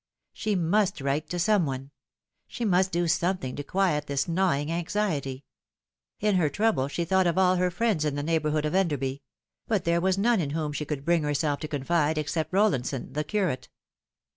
She must write to some one ; she must do something to quiet this gnawing anxiety. In her trouble she thought of all her friends in the neighbourhood of Enderby ; but there was none in whom she could bring herself to confide except Rollinson, the curate.